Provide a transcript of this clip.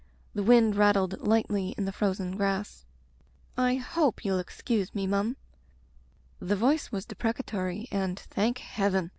The wind rattled lightly in the frozen grass. ... "I hope ye'U excuse nie, mum —" The voice was deprecatory and, thank Heaven!